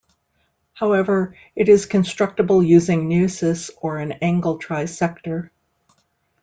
However, it is constructible using neusis, or an angle trisector.